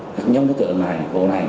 các nhóm đối tượng này vụ này